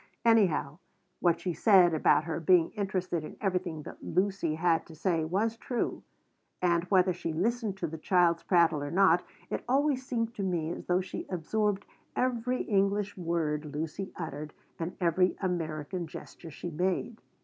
Anyhow, what she said about her being interested in everything that Lucy had to say was true. And, whether she listened to the child's prattle or not, it always seemed to me as though she absorbed every English word Lucy uttered and every American gesture she made.